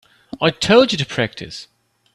I told you to practice.